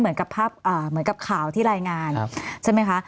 เหมือนกับข่าวที่รายงานใช่ไหมคะ